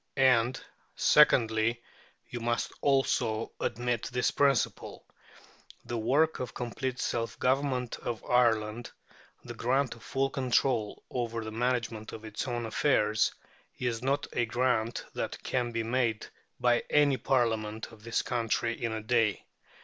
And, secondly, you must also admit this principle: the work of complete self government of Ireland, the grant of full control over the management of its own affairs, is not a grant that can be made by any Parliament of this country in a day.